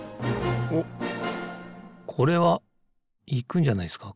おっこれはいくんじゃないですか